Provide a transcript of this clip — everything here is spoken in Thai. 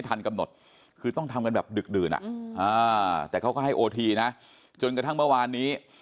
แต่เขาก็ให้โอทีจนกระทั่งเมื่อวานนี้